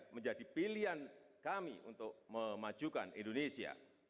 menjadi pilihan kami untuk memajukan indonesia